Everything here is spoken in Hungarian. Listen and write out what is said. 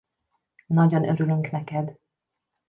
Nagyon örülünk neked!